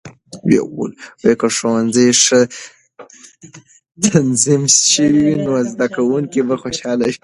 که ښوونځي ښه تنظیم شوي وي، نو زده کونکې به خوشاله وي.